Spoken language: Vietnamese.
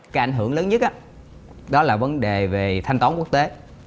cái ảnh hưởng lớn nhất đó là vấn đề về thanh toán quốc tế